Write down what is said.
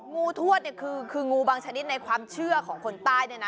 งูทวดเนี่ยคืองูบางชนิดในความเชื่อของคนใต้เนี่ยนะ